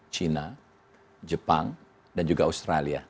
china jepang dan juga australia